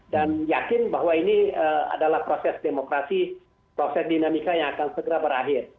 dan yakin bahwa ini adalah proses demokrasi proses dinamika yang akan segera berakhir